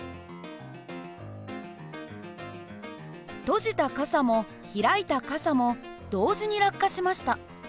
閉じた傘も開いた傘も同時に落下しました。